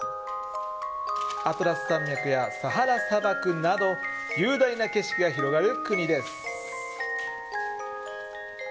アトラス山脈やサハラ砂漠など雄大な景色が広がる国です。